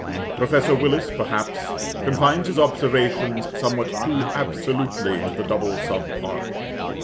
Professor Willis, perhaps, confines his observations somewhat too absolutely to the double sub arch.